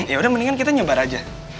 yaudah mendingan kita nyebar aja